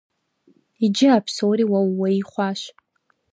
Иджы а псори уэ ууей хъуащ.